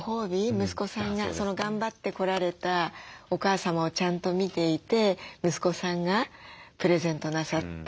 息子さんが頑張ってこられたお母様をちゃんと見ていて息子さんがプレゼントなさって。